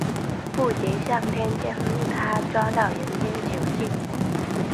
布杰上天将它捉到人间囚禁。